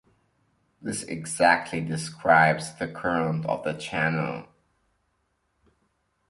This exactly describes the current of the channel.